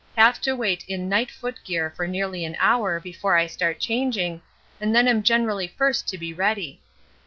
Have to wait in night foot gear for nearly an hour before I start changing, and then am generally first to be ready.